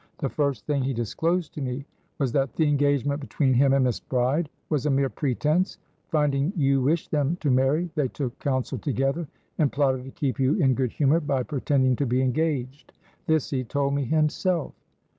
The first thing he disclosed to me was that the engagement between him and Miss Bride was a mere pretence. Finding you wished them to marry, they took counsel together, and plotted to keep you in good humour by pretending to be engaged. This he told me himself."